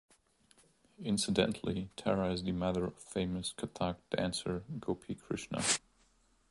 Incidentally, Tara is the mother of famous kathak dancer, Gopi Krishna.